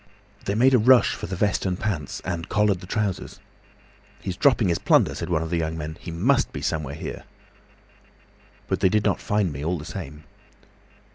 They made a rush for the vest and pants, and collared the trousers. 'He's dropping his plunder,' said one of the young men. 'He must be somewhere here.' "But they did not find me all the same.